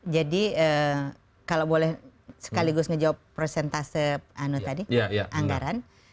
jadi kalau boleh sekaligus menjawab persentase anggaran